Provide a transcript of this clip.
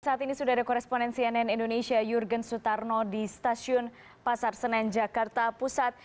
saat ini sudah ada koresponen cnn indonesia jurgen sutarno di stasiun pasar senen jakarta pusat